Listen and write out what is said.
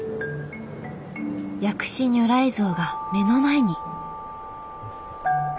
薬師如来像が目の前に。